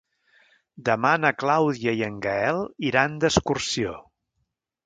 Demà na Clàudia i en Gaël iran d'excursió.